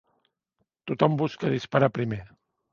Tothom busca disparar primer.